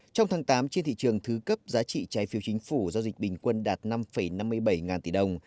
trong tháng tám trên thị trường thứ cấp giá trị trái phiếu chính phủ giao dịch bình quân đạt năm năm mươi bảy ngàn tỷ đồng